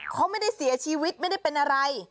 เขาไม่ได้เสียชีวิตไม่ได้เป็นอะไร